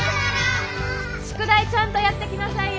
宿題ちゃんとやってきなさいよ。